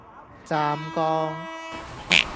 湛江